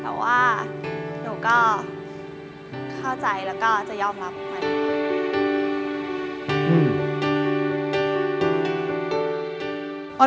เข้าใจแล้วก็จะยอมรับมัน